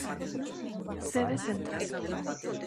Sede Central